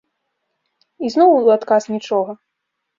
Ізноў у адказ нічога.